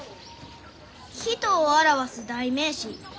「人を表す代名詞。